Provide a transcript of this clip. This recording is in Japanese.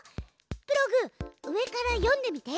プログ上から読んでみて。